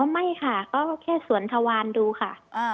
ไม่ค่ะก็แค่สวนทวารดูค่ะ